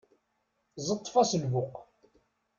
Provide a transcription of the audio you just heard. Ẓeṭṭef-as lbuq.